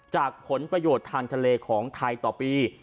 ผลประโยชน์ทางทะเลของไทยต่อปี